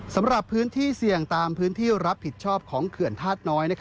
สำหรับพื้นที่เสี่ยงตามพื้นที่รับผิดชอบของเขื่อนธาตุน้อย